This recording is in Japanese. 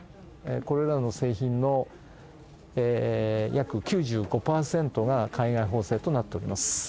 これらの製品の約９５％が海外縫製となっております。